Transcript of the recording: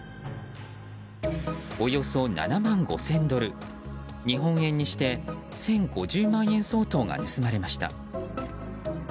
およそ７万５０００ドル日本円にして１０５０万円相当が盗まれました。